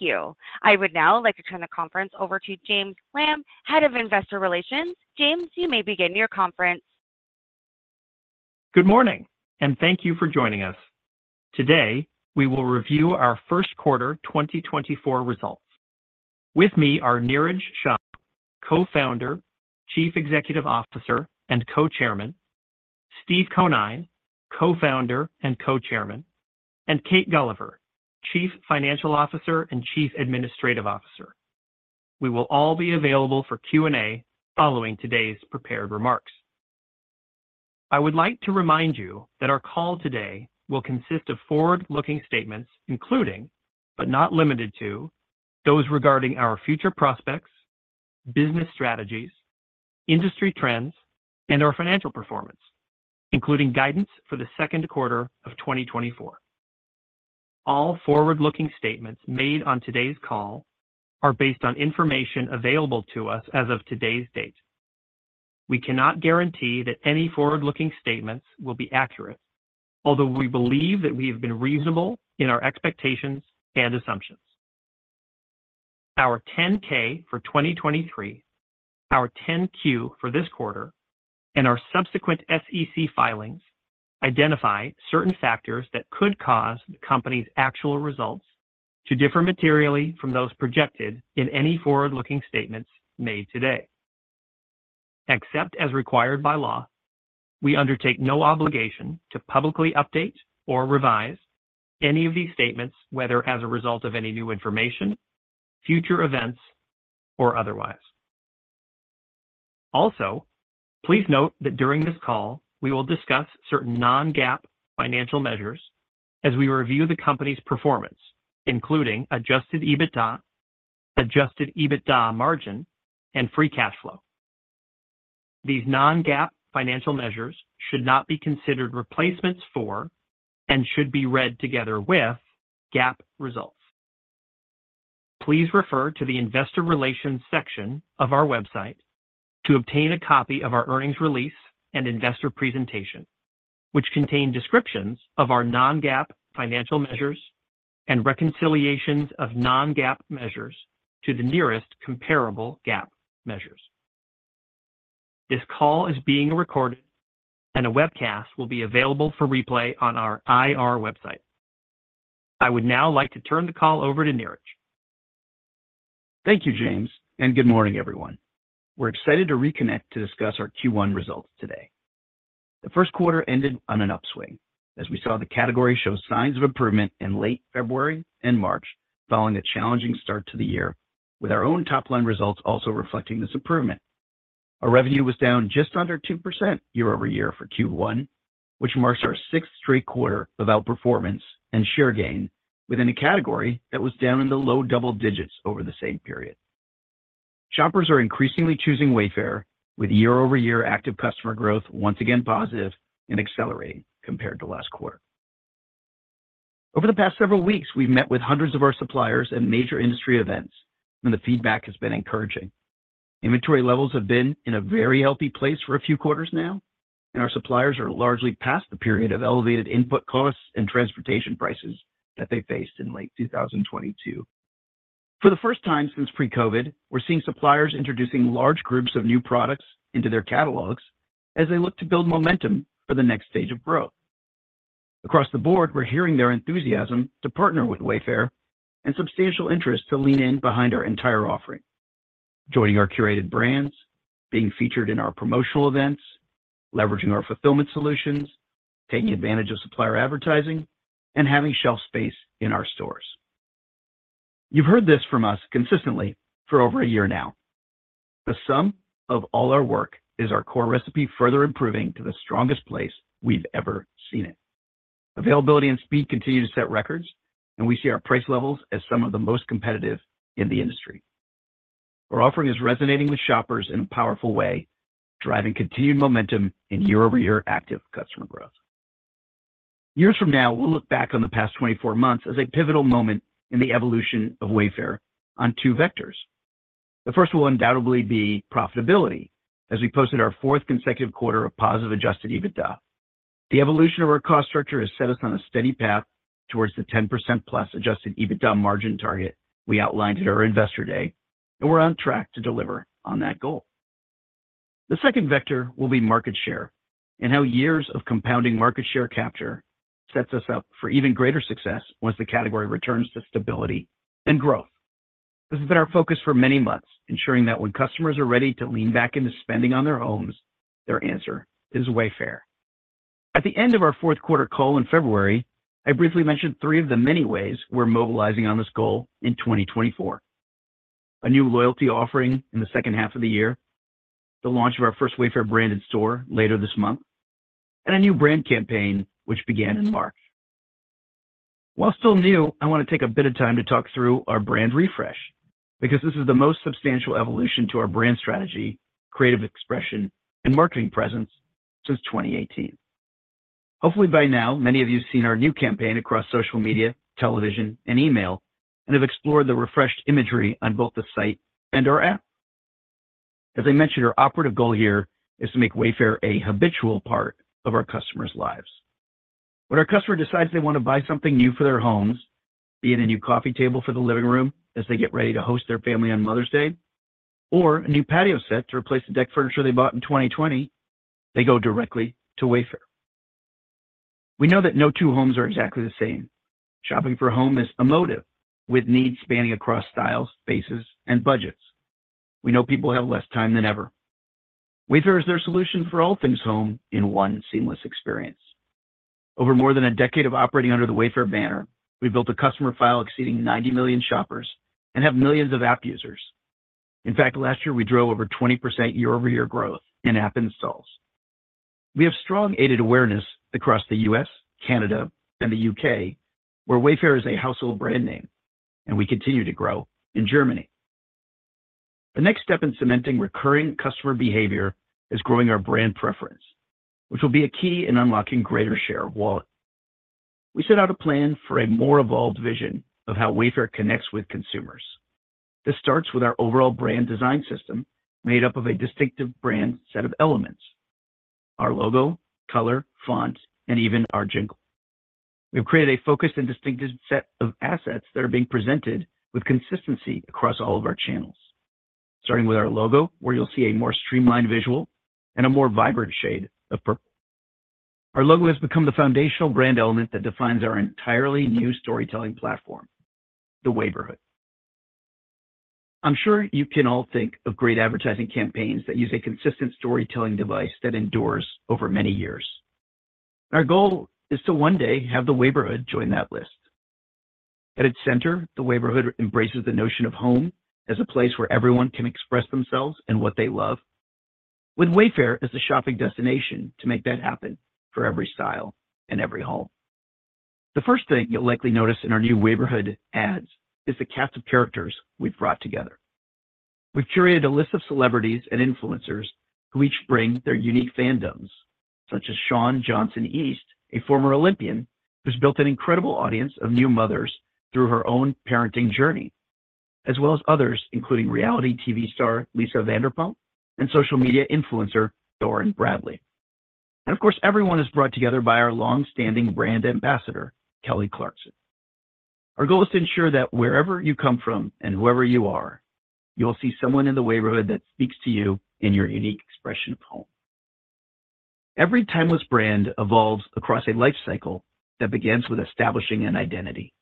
Thank you. I would now like to turn the conference over to James Lamb, Head of Investor Relations. James, you may begin your conference. Good morning, and thank you for joining us. Today, we will review our first quarter 2024 results. With me are Niraj Shah, Co-founder, Chief Executive Officer, and Co-chairman, Steve Conine, Co-founder and Co-chairman, and Kate Gulliver, Chief Financial Officer and Chief Administrative Officer. We will all be available for Q&A following today's prepared remarks. I would like to remind you that our call today will consist of forward-looking statements, including, but not limited to, those regarding our future prospects, business strategies, industry trends, and our financial performance, including guidance for the second quarter of 2024. All forward-looking statements made on today's call are based on information available to us as of today's date. We cannot guarantee that any forward-looking statements will be accurate, although we believe that we have been reasonable in our expectations and assumptions. Our 10-K for 2023, our 10-Q for this quarter, and our subsequent SEC filings identify certain factors that could cause the company's actual results to differ materially from those projected in any forward-looking statements made today. Except as required by law, we undertake no obligation to publicly update or revise any of these statements, whether as a result of any new information, future events, or otherwise. Also, please note that during this call, we will discuss certain non-GAAP financial measures as we review the company's performance, including Adjusted EBITDA, Adjusted EBITDA Margin, and Free Cash Flow. These non-GAAP financial measures should not be considered replacements for and should be read together with GAAP results. Please refer to the Investor Relations section of our website to obtain a copy of our earnings release and investor presentation, which contain descriptions of our non-GAAP financial measures and reconciliations of non-GAAP measures to the nearest comparable GAAP measures. This call is being recorded, and a webcast will be available for replay on our IR website. I would now like to turn the call over to Niraj. Thank you, James, and good morning, everyone. We're excited to reconnect to discuss our Q1 results today. The first quarter ended on an upswing, as we saw the category show signs of improvement in late February and March, following a challenging start to the year, with our own top-line results also reflecting this improvement. Our revenue was down just under 2% year-over-year for Q1, which marks our sixth straight quarter of outperformance and share gain within a category that was down in the low double digits over the same period. Shoppers are increasingly choosing Wayfair, with year-over-year active customer growth once again positive and accelerating compared to last quarter. Over the past several weeks, we've met with hundreds of our suppliers at major industry events, and the feedback has been encouraging. Inventory levels have been in a very healthy place for a few quarters now, and our suppliers are largely past the period of elevated input costs and transportation prices that they faced in late 2022. For the first time since pre-COVID, we're seeing suppliers introducing large groups of new products into their catalogs as they look to build momentum for the next stage of growth. Across the board, we're hearing their enthusiasm to partner with Wayfair and substantial interest to lean in behind our entire offering, joining our curated brands, being featured in our promotional events, leveraging our fulfillment solutions, taking advantage of supplier advertising, and having shelf space in our stores. You've heard this from us consistently for over a year now. The sum of all our work is our core recipe further improving to the strongest place we've ever seen it. Availability and speed continue to set records, and we see our price levels as some of the most competitive in the industry. Our offering is resonating with shoppers in a powerful way, driving continued momentum in year-over-year active customer growth. Years from now, we'll look back on the past 24 months as a pivotal moment in the evolution of Wayfair on two vectors. The first will undoubtedly be profitability, as we posted our fourth consecutive quarter of positive adjusted EBITDA. The evolution of our cost structure has set us on a steady path towards the 10%+ adjusted EBITDA margin target we outlined at our Investor Day, and we're on track to deliver on that goal. The second vector will be market share and how years of compounding market share capture sets us up for even greater success once the category returns to stability and growth. This has been our focus for many months, ensuring that when customers are ready to lean back into spending on their homes, their answer is Wayfair. At the end of our fourth quarter call in February, I briefly mentioned three of the many ways we're mobilizing on this goal in 2024. A new loyalty offering in the second half of the year, the launch of our first Wayfair-branded store later this month, and a new brand campaign which began in March. While still new, I want to take a bit of time to talk through our brand refresh because this is the most substantial evolution to our brand strategy, creative expression, and marketing presence since 2018. Hopefully, by now, many of you have seen our new campaign across social media, television, and email and have explored the refreshed imagery on both the site and our app... As I mentioned, our operative goal here is to make Wayfair a habitual part of our customers' lives. When our customer decides they want to buy something new for their homes, be it a new coffee table for the living room as they get ready to host their family on Mother's Day, or a new patio set to replace the deck furniture they bought in 2020, they go directly to Wayfair. We know that no two homes are exactly the same. Shopping for a home is emotive, with needs spanning across styles, spaces, and budgets. We know people have less time than ever. Wayfair is their solution for all things home in one seamless experience. Over more than a decade of operating under the Wayfair banner, we've built a customer file exceeding 90 million shoppers and have millions of app users. In fact, last year, we drove over 20% year-over-year growth in app installs. We have strong aided awareness across the U.S., Canada, and the U.K., where Wayfair is a household brand name, and we continue to grow in Germany. The next step in cementing recurring customer behavior is growing our brand preference, which will be a key in unlocking greater share of wallet. We set out a plan for a more evolved vision of how Wayfair connects with consumers. This starts with our overall brand design system, made up of a distinctive brand set of elements: our logo, color, font, and even our jingle. We've created a focused and distinctive set of assets that are being presented with consistency across all of our channels, starting with our logo, where you'll see a more streamlined visual and a more vibrant shade of purple. Our logo has become the foundational brand element that defines our entirely new storytelling platform, the Wayborhood. I'm sure you can all think of great advertising campaigns that use a consistent storytelling device that endures over many years. Our goal is to one day have the Wayborhood join that list. At its center, the Wayborhood embraces the notion of home as a place where everyone can express themselves and what they love, with Wayfair as the shopping destination to make that happen for every style and every home. The first thing you'll likely notice in our new Wayborhood ads is the cast of characters we've brought together. We've curated a list of celebrities and influencers who each bring their unique fandoms, such as Shawn Johnson East, a former Olympian who's built an incredible audience of new mothers through her own parenting journey, as well as others, including reality TV star, Lisa Vanderpump, and social media influencer, Thoren Bradley. And of course, everyone is brought together by our long-standing brand ambassador, Kelly Clarkson. Our goal is to ensure that wherever you come from and whoever you are, you'll see someone in the Wayborhood that speaks to you in your unique expression of home. Every timeless brand evolves across a life cycle that begins with establishing an identity.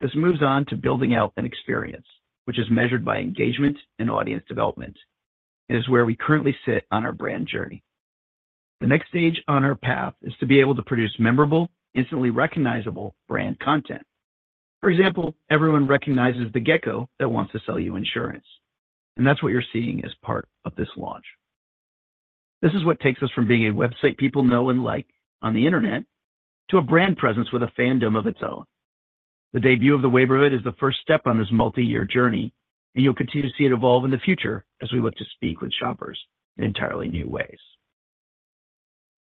This moves on to building out an experience, which is measured by engagement and audience development, and is where we currently sit on our brand journey. The next stage on our path is to be able to produce memorable, instantly recognizable brand content. For example, everyone recognizes the gecko that wants to sell you insurance, and that's what you're seeing as part of this launch. This is what takes us from being a website people know and like on the internet to a brand presence with a fandom of its own. The debut of the Wayborhood is the first step on this multi-year journey, and you'll continue to see it evolve in the future as we look to speak with shoppers in entirely new ways.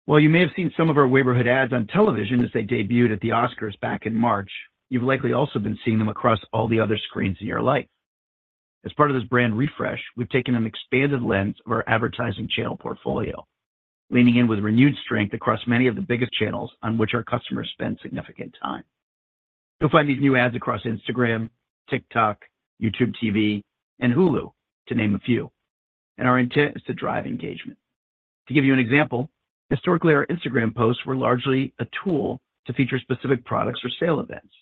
While you may have seen some of our Wayborhood ads on television as they debuted at the Oscars back in March, you've likely also been seeing them across all the other screens in your life. As part of this brand refresh, we've taken an expanded lens of our advertising channel portfolio, leaning in with renewed strength across many of the biggest channels on which our customers spend significant time. You'll find these new ads across Instagram, TikTok, YouTube TV, and Hulu, to name a few, and our intent is to drive engagement. To give you an example, historically, our Instagram posts were largely a tool to feature specific products or sale events.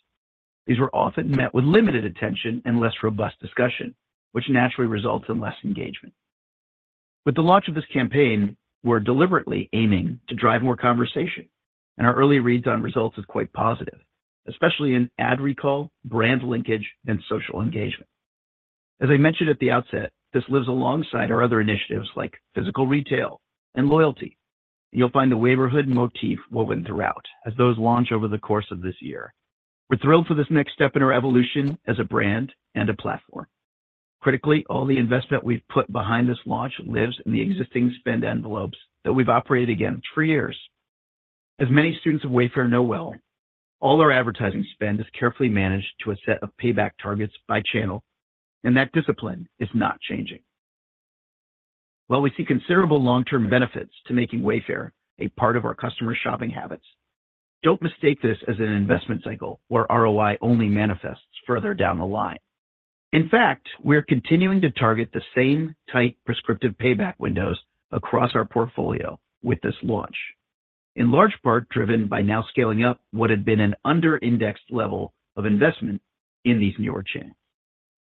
These were often met with limited attention and less robust discussion, which naturally results in less engagement. With the launch of this campaign, we're deliberately aiming to drive more conversation, and our early reads on results is quite positive, especially in ad recall, brand linkage, and social engagement. As I mentioned at the outset, this lives alongside our other initiatives like physical retail and loyalty. You'll find the Wayborhood motif woven throughout as those launch over the course of this year. We're thrilled for this next step in our evolution as a brand and a platform. Critically, all the investment we've put behind this launch lives in the existing spend envelopes that we've operated again for years. As many students of Wayfair know well, all our advertising spend is carefully managed to a set of payback targets by channel, and that discipline is not changing. While we see considerable long-term benefits to making Wayfair a part of our customers' shopping habits, don't mistake this as an investment cycle where ROI only manifests further down the line. In fact, we're continuing to target the same tight prescriptive payback windows across our portfolio with this launch, in large part driven by now scaling up what had been an under-indexed level of investment in these newer channels.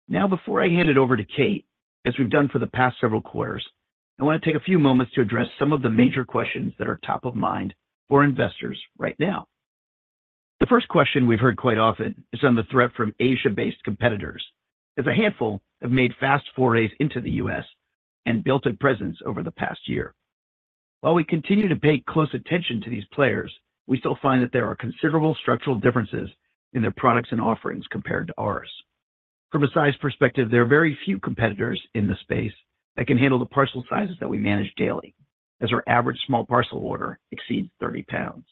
Now, before I hand it over to Kate, as we've done for the past several quarters, I want to take a few moments to address some of the major questions that are top of mind for investors right now. The first question we've heard quite often is on the threat from Asia-based competitors, as a handful have made fast forays into the U.S. and built a presence over the past year. While we continue to pay close attention to these players, we still find that there are considerable structural differences in their products and offerings compared to ours. From a size perspective, there are very few competitors in this space that can handle the parcel sizes that we manage daily, as our average small parcel order exceeds 30 pounds....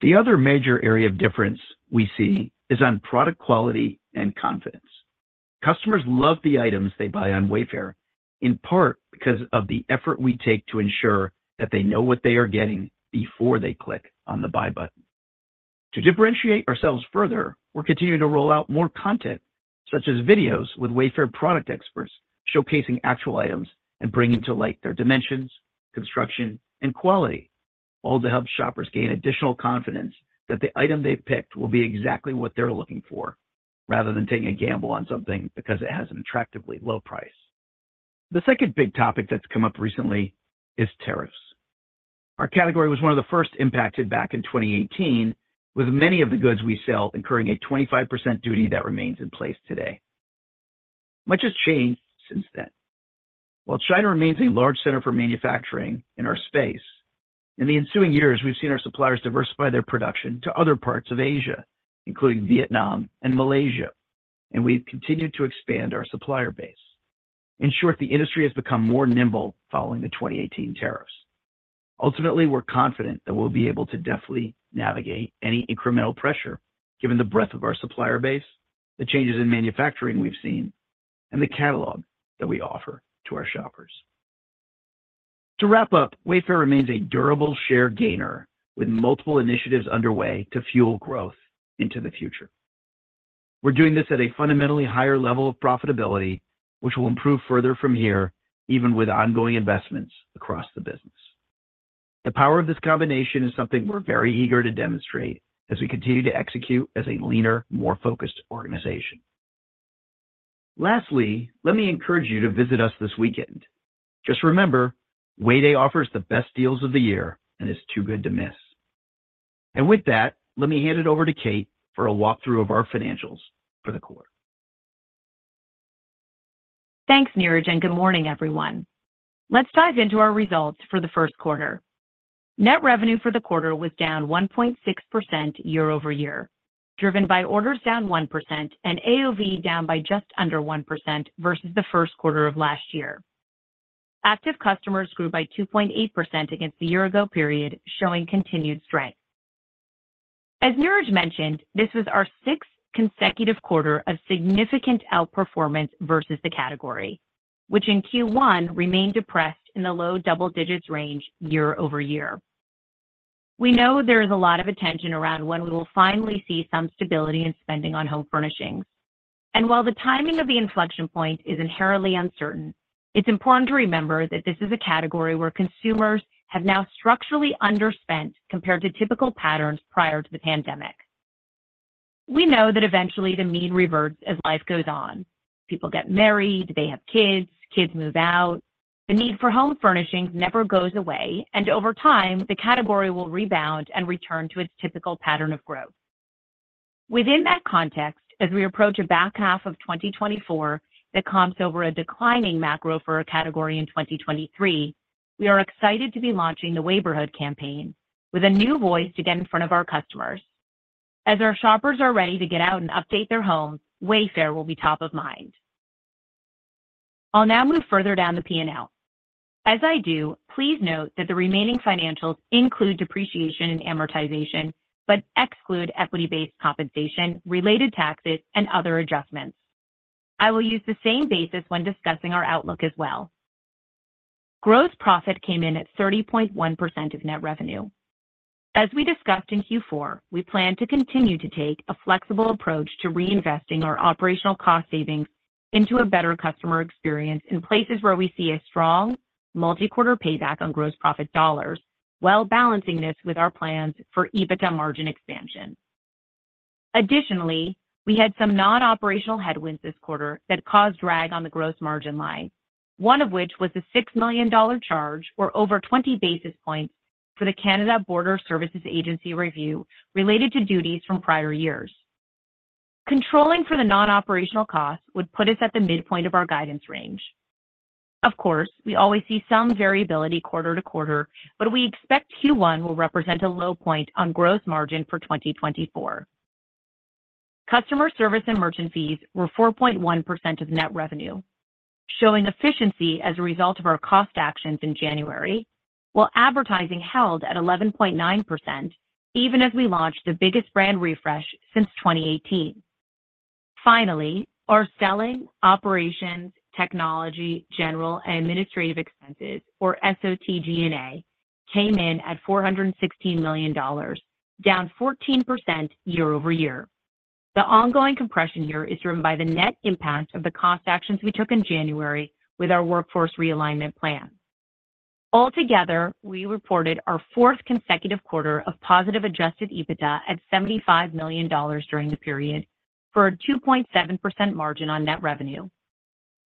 The other major area of difference we see is on product quality and confidence. Customers love the items they buy on Wayfair, in part because of the effort we take to ensure that they know what they are getting before they click on the buy button. To differentiate ourselves further, we're continuing to roll out more content, such as videos with Wayfair product experts, showcasing actual items and bringing to light their dimensions, construction, and quality, all to help shoppers gain additional confidence that the item they've picked will be exactly what they're looking for, rather than taking a gamble on something because it has an attractively low price. The second big topic that's come up recently is tariffs. Our category was one of the first impacted back in 2018, with many of the goods we sell incurring a 25% duty that remains in place today. Much has changed since then. While China remains a large center for manufacturing in our space, in the ensuing years, we've seen our suppliers diversify their production to other parts of Asia, including Vietnam and Malaysia, and we've continued to expand our supplier base. In short, the industry has become more nimble following the 2018 tariffs. Ultimately, we're confident that we'll be able to deftly navigate any incremental pressure given the breadth of our supplier base, the changes in manufacturing we've seen, and the catalog that we offer to our shoppers. To wrap up, Wayfair remains a durable share gainer with multiple initiatives underway to fuel growth into the future. We're doing this at a fundamentally higher level of profitability, which will improve further from here, even with ongoing investments across the business. The power of this combination is something we're very eager to demonstrate as we continue to execute as a leaner, more focused organization. Lastly, let me encourage you to visit us this weekend. Just remember, Way Day offers the best deals of the year and is too good to miss. And with that, let me hand it over to Kate for a walkthrough of our financials for the quarter. Thanks, Niraj, and good morning, everyone. Let's dive into our results for the first quarter. Net revenue for the quarter was down 1.6% year-over-year, driven by orders down 1% and AOV down by just under 1% versus the first quarter of last year. Active customers grew by 2.8% against the year-ago period, showing continued strength. As Niraj mentioned, this was our sixth consecutive quarter of significant outperformance versus the category, which in Q1 remained depressed in the low double digits range year-over-year. We know there is a lot of attention around when we will finally see some stability in spending on home furnishings. And while the timing of the inflection point is inherently uncertain, it's important to remember that this is a category where consumers have now structurally underspent compared to typical patterns prior to the pandemic. We know that eventually the mean reverts as life goes on. People get married, they have kids, kids move out. The need for home furnishings never goes away, and over time, the category will rebound and return to its typical pattern of growth. Within that context, as we approach a back half of 2024 that comps over a declining macro for our category in 2023, we are excited to be launching the Wayborhood campaign with a new voice to get in front of our customers. As our shoppers are ready to get out and update their homes, Wayfair will be top of mind. I'll now move further down the P&L. As I do, please note that the remaining financials include depreciation and amortization, but exclude equity-based compensation, related taxes, and other adjustments. I will use the same basis when discussing our outlook as well. Gross profit came in at 30.1% of net revenue. As we discussed in Q4, we plan to continue to take a flexible approach to reinvesting our operational cost savings into a better customer experience in places where we see a strong multi-quarter payback on gross profit dollars, while balancing this with our plans for EBITDA margin expansion. Additionally, we had some non-operational headwinds this quarter that caused drag on the gross margin line, one of which was a $6 million charge, or over 20 basis points, for the Canada Border Services Agency review related to duties from prior years. Controlling for the non-operational costs would put us at the midpoint of our guidance range. Of course, we always see some variability quarter to quarter, but we expect Q1 will represent a low point on gross margin for 2024. Customer service and merchant fees were 4.1% of net revenue, showing efficiency as a result of our cost actions in January, while advertising held at 11.9%, even as we launched the biggest brand refresh since 2018. Finally, our selling, operations, technology, general, and administrative expenses, or SOTG&A, came in at $416 million, down 14% year-over-year. The ongoing compression here is driven by the net impact of the cost actions we took in January with our workforce realignment plan. Altogether, we reported our fourth consecutive quarter of positive adjusted EBITDA at $75 million during the period for a 2.7% margin on net revenue.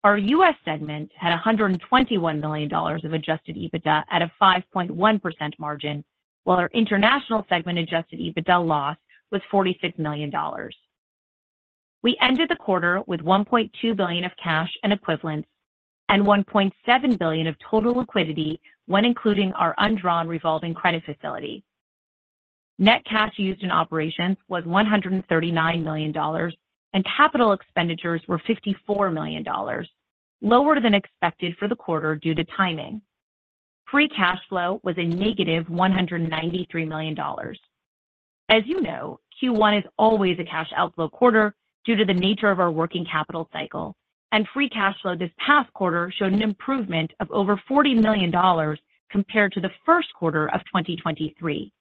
Our US segment had $121 million of adjusted EBITDA at a 5.1% margin, while our international segment adjusted EBITDA loss was $46 million. We ended the quarter with $1.2 billion of cash and equivalents and $1.7 billion of total liquidity when including our undrawn revolving credit facility. Net cash used in operations was $139 million, and capital expenditures were $54 million.... lower than expected for the quarter due to timing. Free cash flow was a negative $193 million. As you know, Q1 is always a cash outflow quarter due to the nature of our working capital cycle, and free cash flow this past quarter showed an improvement of over $40 million compared to the first quarter of 2023.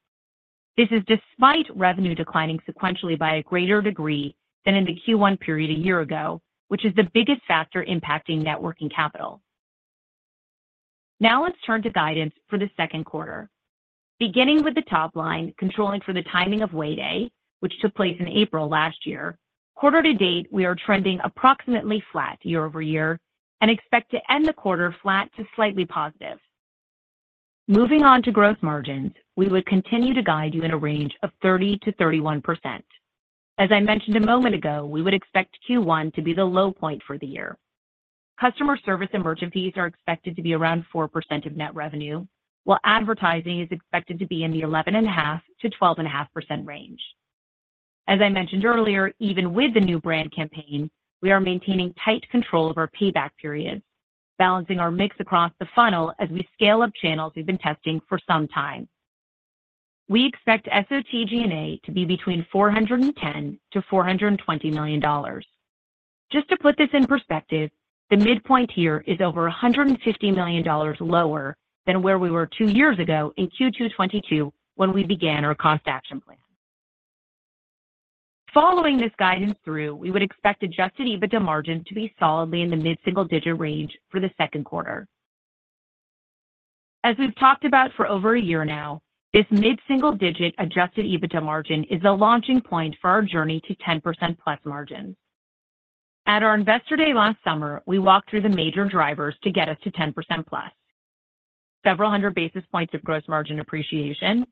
This is despite revenue declining sequentially by a greater degree than in the Q1 period a year ago, which is the biggest factor impacting net working capital. Now, let's turn to guidance for the second quarter. Beginning with the top line, controlling for the timing of Way Day, which took place in April last year, quarter to date, we are trending approximately flat year-over-year and expect to end the quarter flat to slightly positive. Moving on to gross margins, we would continue to guide you in a range of 30%-31%. As I mentioned a moment ago, we would expect Q1 to be the low point for the year. Customer service and merchant fees are expected to be around 4% of net revenue, while advertising is expected to be in the 11.5%-12.5% range. As I mentioned earlier, even with the new brand campaign, we are maintaining tight control of our payback periods, balancing our mix across the funnel as we scale up channels we've been testing for some time. We expect SOTG&A to be between $410-$420 million. Just to put this in perspective, the midpoint here is over $150 million lower than where we were two years ago in Q2 2022 when we began our cost action plan. Following this guidance through, we would expect adjusted EBITDA margin to be solidly in the mid-single-digit range for the second quarter. As we've talked about for over a year now, this mid-single-digit adjusted EBITDA margin is the launching point for our journey to 10%+ margins. At our Investor Day last summer, we walked through the major drivers to get us to 10%+: several hundred basis points of gross margin appreciation,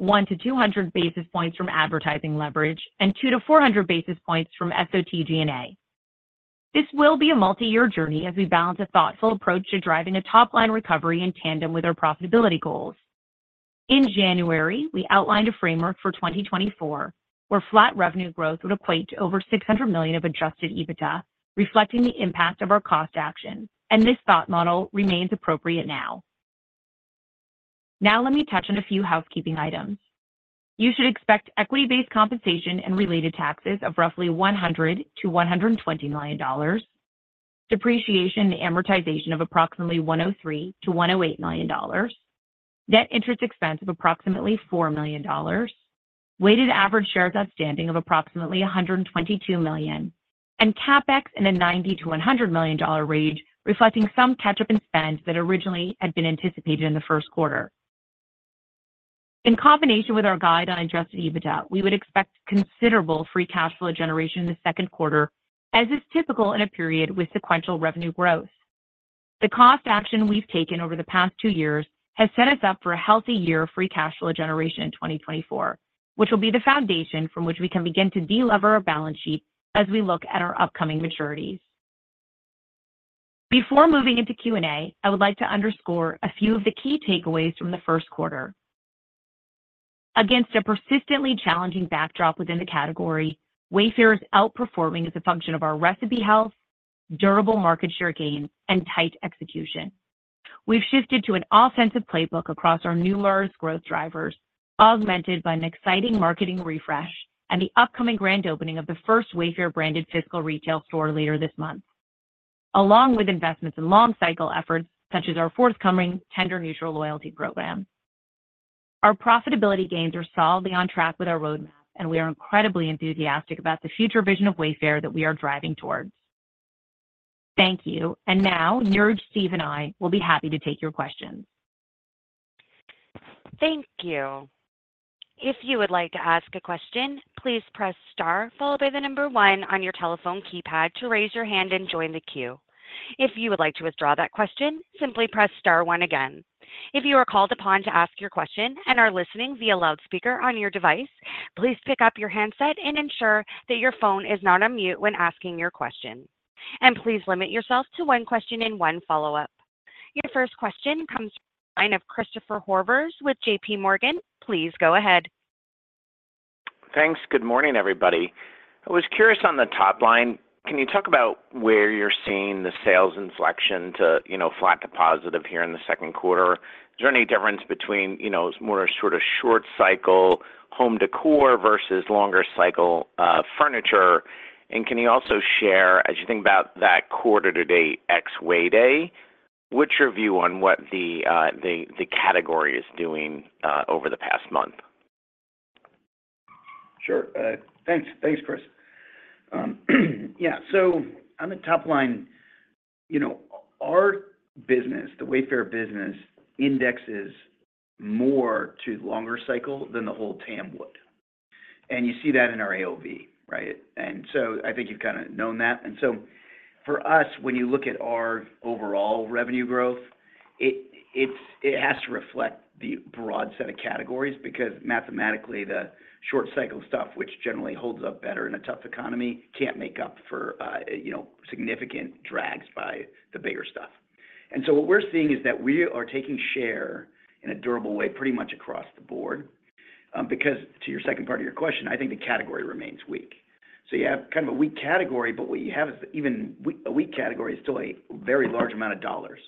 100-200 basis points from advertising leverage, and 200-400 basis points from SOTG&A. This will be a multi-year journey as we balance a thoughtful approach to driving a top-line recovery in tandem with our profitability goals. In January, we outlined a framework for 2024, where flat revenue growth would equate to over $600 million of adjusted EBITDA, reflecting the impact of our cost action, and this thought model remains appropriate now. Now, let me touch on a few housekeeping items. You should expect equity-based compensation and related taxes of roughly $100 million-$120 million, depreciation and amortization of approximately $103 million-$108 million, net interest expense of approximately $4 million, weighted average shares outstanding of approximately 122 million, and CapEx in a $90 million-$100 million range, reflecting some catch-up in spend that originally had been anticipated in the first quarter. In combination with our guide on adjusted EBITDA, we would expect considerable free cash flow generation in the second quarter, as is typical in a period with sequential revenue growth. The cost action we've taken over the past 2 years has set us up for a healthy year of Free Cash Flow generation in 2024, which will be the foundation from which we can begin to de-lever our balance sheet as we look at our upcoming maturities. Before moving into Q&A, I would like to underscore a few of the key takeaways from the first quarter. Against a persistently challenging backdrop within the category, Wayfair is outperforming as a function of our recipe health, durable market share gains, and tight execution. We've shifted to an offensive playbook across our numerous growth drivers, augmented by an exciting marketing refresh and the upcoming grand opening of the first Wayfair-branded physical retail store later this month, along with investments in long cycle efforts such as our forthcoming vendor-neutral loyalty program. Our profitability gains are solidly on track with our roadmap, and we are incredibly enthusiastic about the future vision of Wayfair that we are driving towards. Thank you. And now, Niraj, Steve, and I will be happy to take your questions. Thank you. If you would like to ask a question, please press star followed by the number one on your telephone keypad to raise your hand and join the queue. If you would like to withdraw that question, simply press star one again. If you are called upon to ask your question and are listening via loudspeaker on your device, please pick up your handset and ensure that your phone is not on mute when asking your question. And please limit yourself to one question and one follow-up. Your first question comes from the line of Christopher Horvers with J.P. Morgan. Please go ahead. Thanks. Good morning, everybody. I was curious on the top line, can you talk about where you're seeing the sales inflection to, you know, flat to positive here in the second quarter? Is there any difference between, you know, more sort of short cycle home decor versus longer cycle, furniture? And can you also share, as you think about that quarter to date ex Way Day, what's your view on what the, the, the category is doing, over the past month? Sure. Thanks. Thanks, Chris. Yeah, so on the top line, you know, our business, the Wayfair business, indexes more to longer cycle than the whole TAM would. And you see that in our AOV, right? And so I think you've kind of known that. And so for us, when you look at our overall revenue growth, it has to reflect the broad set of categories, because mathematically, the short cycle stuff, which generally holds up better in a tough economy, can't make up for, you know, significant drags by the bigger stuff. And so what we're seeing is that we are taking share in a durable way, pretty much across the board. Because to your second part of your question, I think the category remains weak. So you have kind of a weak category, but what you have is even we a weak category is still a very large amount of dollars.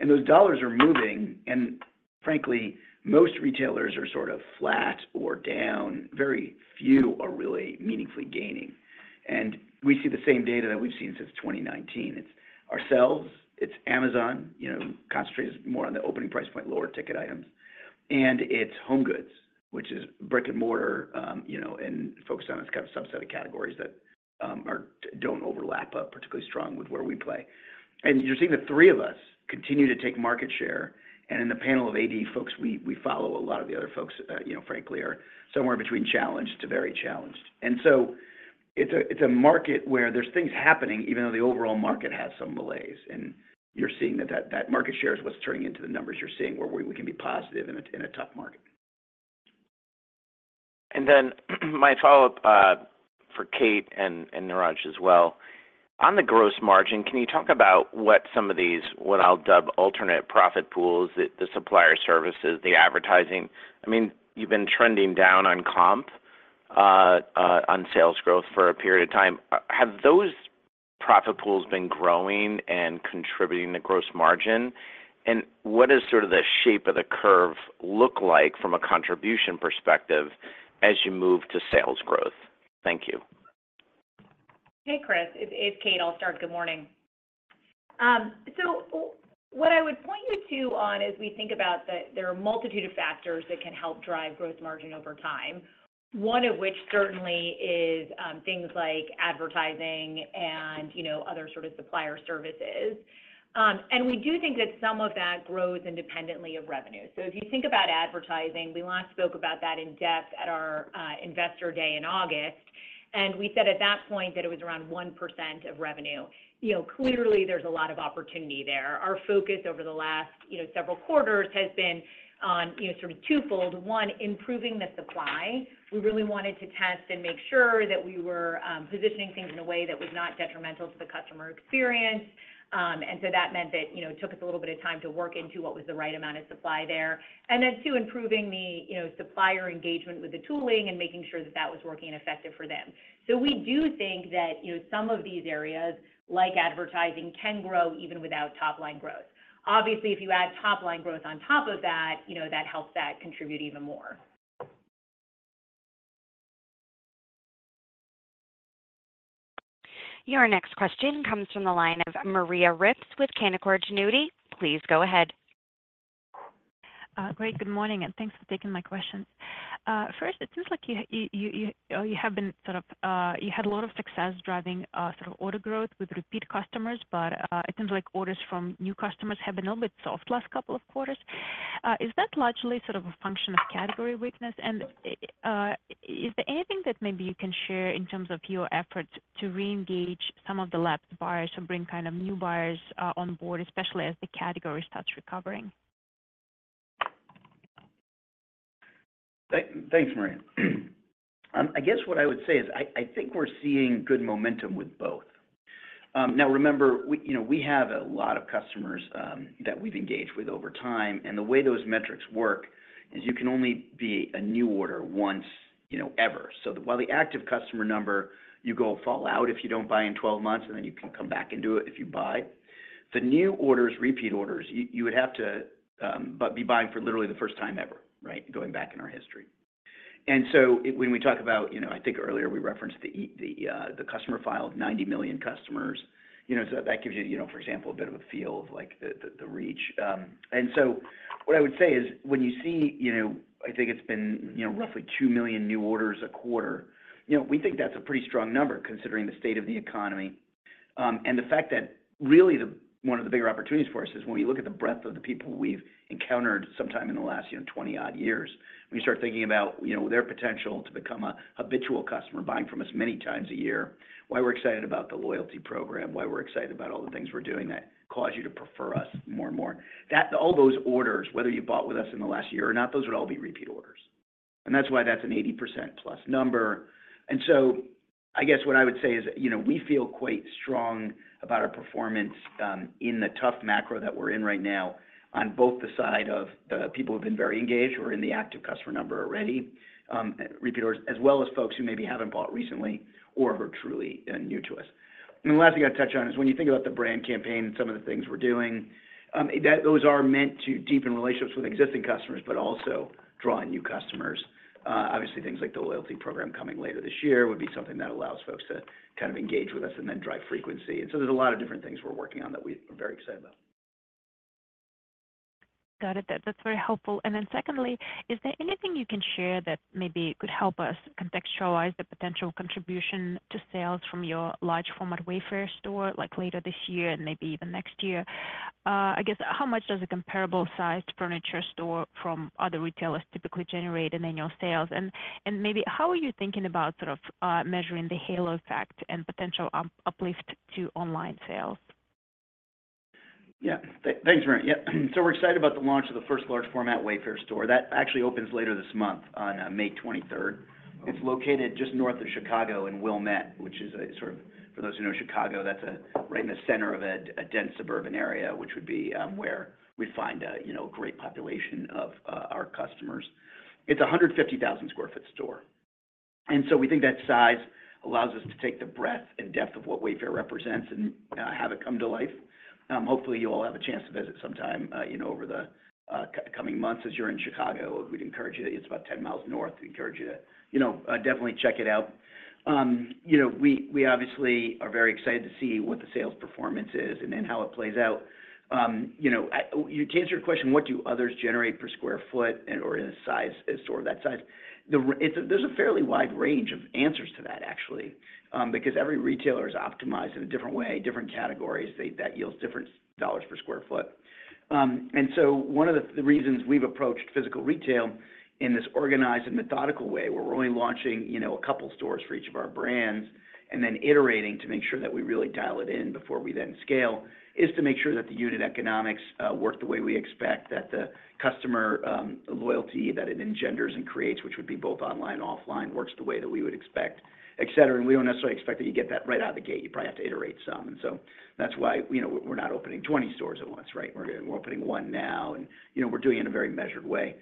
And those dollars are moving, and frankly, most retailers are sort of flat or down. Very few are really meaningfully gaining. And we see the same data that we've seen since 2019. It's ourselves, it's Amazon, you know, concentrated more on the opening price point, lower ticket items, and it's HomeGoods, which is brick-and-mortar, you know, and focused on its kind of subset of categories that don't overlap, but particularly strong with where we play. And you're seeing the three of us continue to take market share, and in the panel of AD folks, we follow a lot of the other folks, you know, frankly, are somewhere between challenged to very challenged. And so it's a market where there's things happening even though the overall market has some delays, and you're seeing that market share is what's turning into the numbers you're seeing, where we can be positive in a tough market. Then, my follow-up for Kate and Niraj as well. On the gross margin, can you talk about what some of these, what I'll dub alternate profit pools, the supplier services, the advertising? I mean, you've been trending down on comp on sales growth for a period of time. Have those profit pools been growing and contributing to gross margin? And what is sort of the shape of the curve look like from a contribution perspective as you move to sales growth? Thank you. Hey, Chris, it's Kate. I'll start. Good morning. So what I would point you to on, as we think about the... There are a multitude of factors that can help drive growth margin over time. One of which certainly is, things like advertising and, you know, other sort of supplier services. And we do think that some of that grows independently of revenue. So if you think about advertising, we last spoke about that in depth at our Investor Day in August, and we said at that point that it was around 1% of revenue. You know, clearly, there's a lot of opportunity there. Our focus over the last, you know, several quarters has been on, you know, sort of twofold. One, improving the supply. We really wanted to test and make sure that we were positioning things in a way that was not detrimental to the customer experience. And so that meant that, you know, it took us a little bit of time to work into what was the right amount of supply there. And then, two, improving the, you know, supplier engagement with the tooling and making sure that that was working effective for them. So we do think that, you know, some of these areas, like advertising, can grow even without top-line growth. Obviously, if you add top-line growth on top of that, you know, that helps that contribute even more. Your next question comes from the line of Maria Ripps with Canaccord Genuity. Please go ahead. Great, good morning, and thanks for taking my question. First, it seems like you have been sort of you had a lot of success driving sort of order growth with repeat customers, but it seems like orders from new customers have been a little bit soft the last couple of quarters. Is that largely sort of a function of category weakness? And is there anything that maybe you can share in terms of your efforts to reengage some of the lapsed buyers or bring kind of new buyers on board, especially as the category starts recovering? Thanks, Maria. I guess what I would say is I think we're seeing good momentum with both. Now, remember, we, you know, we have a lot of customers that we've engaged with over time, and the way those metrics work is you can only be a new order once, you know, ever. So while the active customer number, you go fall out if you don't buy in 12 months, and then you can come back into it if you buy. The new orders, repeat orders, you would have to but be buying for literally the first time ever, right? Going back in our history. And so when we talk about, you know, I think earlier we referenced the customer file of 90 million customers, you know, so that gives you, you know, for example, a bit of a feel of like the reach. And so what I would say is when you see, you know, I think it's been, you know, roughly 2 million new orders a quarter, you know, we think that's a pretty strong number, considering the state of the economy. And the fact that really, one of the bigger opportunities for us is when you look at the breadth of the people we've encountered sometime in the last, you know, 20-odd years, when you start thinking about, you know, their potential to become a habitual customer, buying from us many times a year, why we're excited about the loyalty program, why we're excited about all the things we're doing that cause you to prefer us more and more. That all those orders, whether you bought with us in the last year or not, those would all be repeat orders. And that's why that's an 80% plus number. And so I guess what I would say is, you know, we feel quite strong about our performance, in the tough macro that we're in right now on both the side of the people who've been very engaged or in the active customer number already, repeat orders, as well as folks who maybe haven't bought recently or who are truly, new to us. And the last thing I'll touch on is when you think about the brand campaign and some of the things we're doing, those are meant to deepen relationships with existing customers, but also draw in new customers. Obviously, things like the loyalty program coming later this year would be something that allows folks to kind of engage with us and then drive frequency. And so there's a lot of different things we're working on that we are very excited about. Got it. That, that's very helpful. And then secondly, is there anything you can share that maybe could help us contextualize the potential contribution to sales from your large format Wayfair store, like, later this year and maybe even next year? I guess, how much does a comparable-sized furniture store from other retailers typically generate in annual sales? And maybe how are you thinking about sort of measuring the halo effect and potential uplift to online sales? Yeah. Thanks, Maria. Yeah. So we're excited about the launch of the first large format Wayfair store. That actually opens later this month on May 23rd. It's located just north of Chicago in Wilmette. For those who know Chicago, that's right in the center of a dense suburban area, which would be where we find a, you know, great population of our customers. It's a 150,000 sq ft store, and so we think that size allows us to take the breadth and depth of what Wayfair represents and have it come to life. Hopefully, you'll all have a chance to visit sometime, you know, over the coming months as you're in Chicago. We'd encourage you to. It's about 10 miles north. We encourage you to, you know, definitely check it out. You know, we obviously are very excited to see what the sales performance is and then how it plays out. You know, to answer your question, what do others generate per sq ft and or in a size, a store that size? There's a fairly wide range of answers to that, actually, because every retailer is optimized in a different way, different categories, that yields different dollars per sq ft. So one of the reasons we've approached physical retail in this organized and methodical way, where we're only launching, you know, a couple stores for each of our brands, and then iterating to make sure that we really dial it in before we then scale, is to make sure that the unit economics work the way we expect, that the customer loyalty that it engenders and creates, which would be both online and offline, works the way that we would expect, et cetera. And we don't necessarily expect that you get that right out of the gate. You probably have to iterate some. And so that's why, you know, we're not opening 20 stores at once, right? We're opening one now, and, you know, we're doing it in a very measured way.